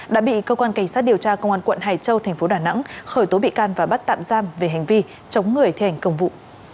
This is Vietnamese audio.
đã bị cơ quan cảnh sát điều tra công an quận hải châu thành phố đà nẵng khởi tố bị can và bắt tạm giam về hành vi chống người thi hành công vụ